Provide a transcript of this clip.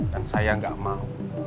dan saya gak mau